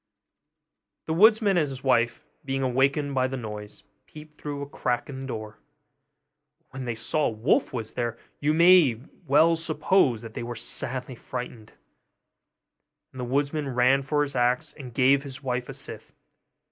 The woodman and his wife, being awakened by the noise, peeped through a crack in the door; but when they saw a wolf was there, you may well suppose that they were sadly frightened; and the woodman ran for his axe, and gave his wife a scythe.